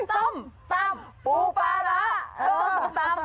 ส้มตำปูปลาร้า